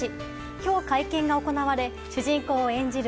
今日、会見が行われ主人公を演じる